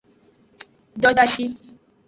Dodashi.